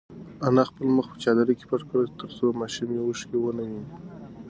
انا خپل مخ په چادر کې پټ کړ ترڅو ماشوم یې اوښکې ونه ویني.